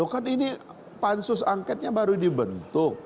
kan ini pansus angketnya baru dibentuk